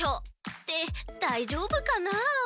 ってだいじょうぶかな？